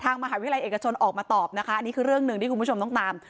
มหาวิทยาลัยเอกชนออกมาตอบนะคะอันนี้คือเรื่องหนึ่งที่คุณผู้ชมต้องตาม